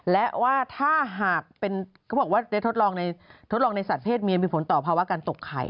และว่าถ้าหากทดลองในสัตว์เพศเมียมีผลต่อภาวะการตกไข่